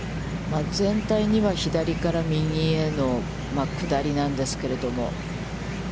全体には、左から右への、下りなんですけれども。